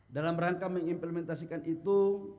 dalam rangka mengimplementasikan itu